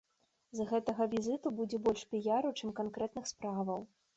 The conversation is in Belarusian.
З гэтага візіту будзе больш піяру, чым канкрэтных справаў.